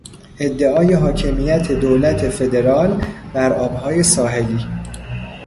ادعای حاکمیت دولت فدرال بر آبهای ساحلی